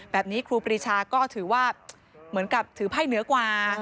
ครูปรีชาก็ถือว่าเหมือนกับถือไพ่เหนือกว่า